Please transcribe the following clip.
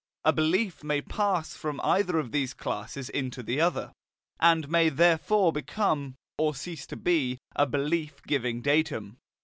A belief may pass from either of these classes into the other, and may therefore become, or cease to be, a belief giving a datum.